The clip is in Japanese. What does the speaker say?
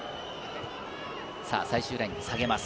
最終ライン下げます。